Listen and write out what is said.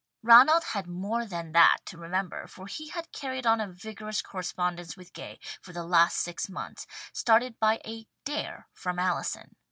Ranald had more than that to remember, for he had carried on a vigorous correspondence with Gay for the last six months, started by a "dare" from Allison.